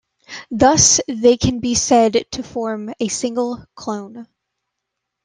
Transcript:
Thus they can be said to form a single "clone".